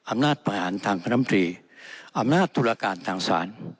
อำนาจประหารทางพนมตรีอำนาจตุรการทางศาล